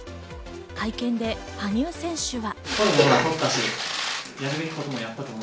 会見で羽生選手は。